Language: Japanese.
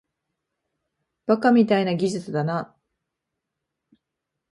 バカみたいな技術だな